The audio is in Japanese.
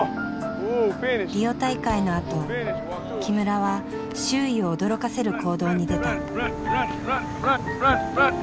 リオ大会のあと木村は周囲を驚かせる行動に出た。